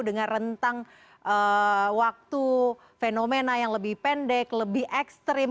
dengan rentang waktu fenomena yang lebih pendek lebih ekstrim